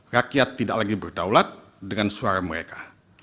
rakyat tidak lagi berdaulat dengan suara mereka